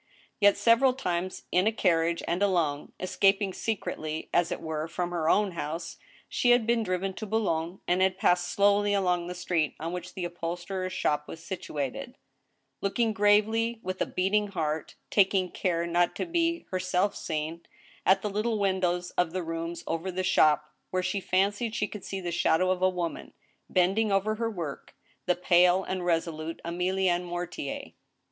Yet, several times in a carriage and alone, escaping secretly, as it were, from her own house, she had been driven to Boulogne, and had passed slowly along the street on which the upholsterer's shop was situated ; looking gravely, with a beating heart (taking care not to be herself seen), at the little windows of the rooms over the shop, where she fancied she could see the shadow of a woman, bending over her work— the pale and resolute Emilienne Mortier.